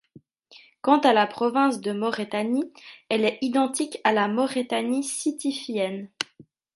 Quant à la province de Maurétanie, elle est identique à la Maurétanie Sitifienne.